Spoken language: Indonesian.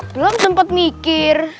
belum sempet mikir